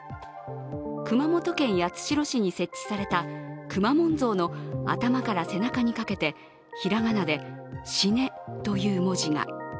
熊本県八代市に設置されたくまモン像の頭から背中にかけて平仮名で「かね」という文字が。